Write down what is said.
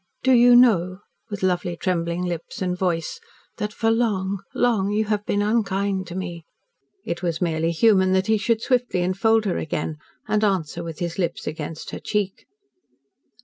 "Do you know," with lovely trembling lips and voice, "that for long long you have been unkind to me?" It was merely human that he should swiftly enfold her again, and answer with his lips against her cheek.